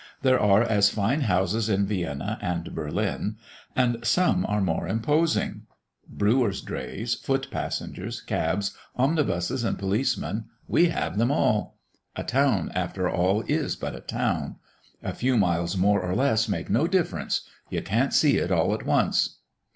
"There are as fine houses in Vienna and Berlin, and some are more imposing. Brewer's drays, foot passengers, cabs, omnibuses, and policemen we have them all. A town, after all, is but a town. A few miles, more or less, make no difference. You can't see it all at once!"